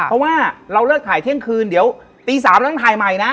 เพราะว่าเราเลิกถ่ายเที่ยงคืนเดี๋ยวตี๓เราต้องถ่ายใหม่นะ